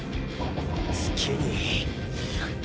好きにィ。